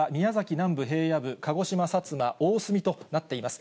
南部平野部、鹿児島薩摩、大隅となっています。